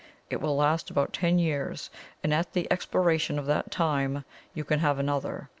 It will last about ten years, and at the expiration of that time you can have another.